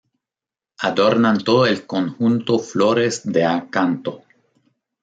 Adornan todo el conjunto flores de acanto.